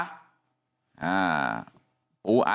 อ่า